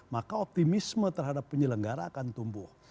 maka optimisme terhadap penyelenggara akan tumbuh